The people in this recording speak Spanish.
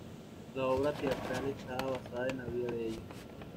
La obra teatral esta basada en la vida de ellos.